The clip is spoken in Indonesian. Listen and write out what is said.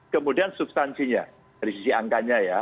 kemudian substansinya dari sisi angkanya ya